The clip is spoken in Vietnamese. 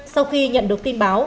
sau khi nhận được tin báo